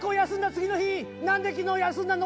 次の日「何で昨日休んだの？」